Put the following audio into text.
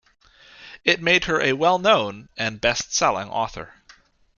It made her a well-known and best-selling author.